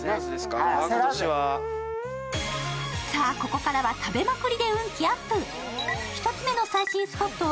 ここからは食べまくりで運気アップ。